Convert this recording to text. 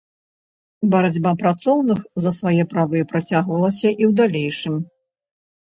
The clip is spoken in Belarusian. Барацьба працоўных за свае правы працягвалася і ў далейшым.